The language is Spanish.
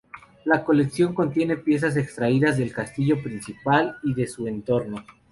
La colección contiene piezas extraídas del castillo principal y de su entorno.